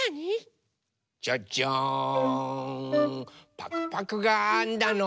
パクパクがあんだの。